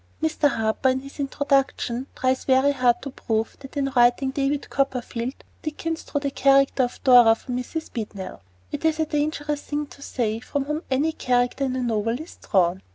Mr. Harper, in his introduction, tries very hard to prove that in writing David Copperfield Dickens drew the character of Dora from Miss Beadnell. It is a dangerous thing to say from whom any character in a novel is drawn.